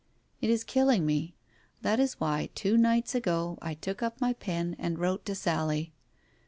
It is killing me. That is why two nights ago I took up my pen and wrote to Sally.